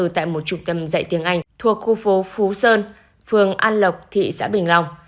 tại một trung tâm dạy tiếng anh thuộc khu phố phú sơn phường an lộc thị xã bình long